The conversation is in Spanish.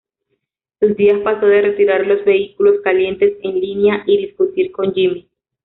Sus días pasó de retirar los vehículos "calientes" en línea y discutir con Jimmy.